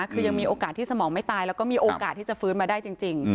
คือยังมีโอกาสที่สมองไม่ตายแล้วก็มีโอกาสที่จะฟื้นมาได้จริง